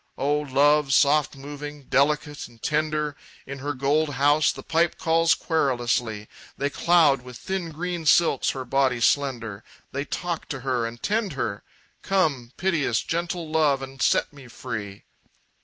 "O love, soft moving, delicate and tender! In her gold house the pipe calls querulously, They cloud with thin green silks her body slender, They talk to her and tend her; Come, piteous, gentle love, and set me free!"